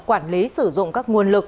quản lý sử dụng các nguồn lực